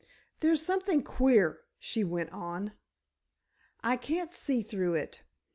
"There's something queer," she went on. "I can't see through it.